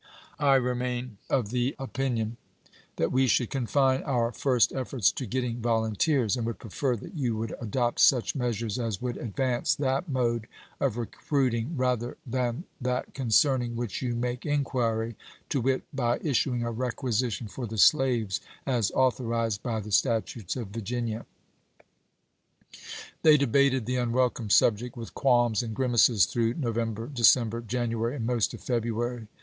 I remain of the RETALIATION 487 opinion that we should confine our first efforts to getting chap.xxi. volunteers, and would prefer that you would adopt such From tho measures as would advance that mode of recruiting, rather [than] that concerning which you make inquiry, to wit, by issuing a requisition for the slaves as authorized by the Statutes of Virginia. ori}<inal MS. in possession of Colonel George A. Bruce. They debated the unwelcome subject with qualms and grimaces through November, December, Janu ary, and most of February.